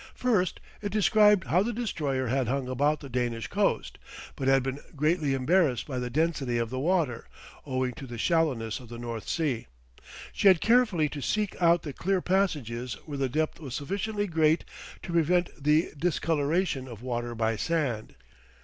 First it described how the Destroyer had hung about the Danish coast, but had been greatly embarrassed by the density of the water, owing to the shallowness of the North Sea. She had carefully to seek out the clear passages where the depth was sufficiently great to prevent the discolouration of water by sand.